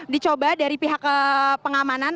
dicoba dari pihak pengamanan